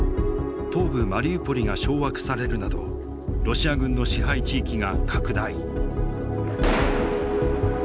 東部マリウポリが掌握されるなどロシア軍の支配地域が拡大。